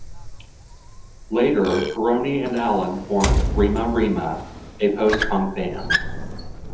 Later, Pirroni and Allen formed Rema-Rema, a post-punk band.